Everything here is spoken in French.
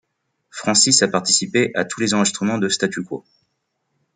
Francis a participé à tous les enregistrements de Status Quo.